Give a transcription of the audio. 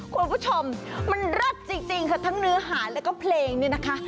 คุณผู้ชมมันเลิศจริงค่ะทั้งเนื้อหาแล้วก็เพลงนี่นะคะ